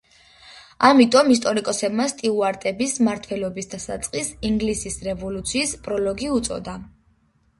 ამიტომ ისტორიკოსებმა სტიუარტების მმართველობის დასაწყისს „ინგლისის რევოლუციის პროლოგი“ უწოდა.